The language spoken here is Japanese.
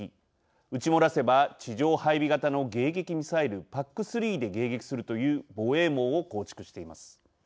撃ち漏らせば地上配備型の迎撃ミサイルＰＡＣ３で迎撃するという防衛網を構築しています。